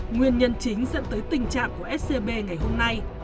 nguyên nhân chính dẫn tới tình trạng của scb ngày hôm nay